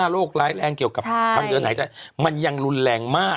โรคร้ายแรงเกี่ยวกับทางเดินหายใจมันยังรุนแรงมาก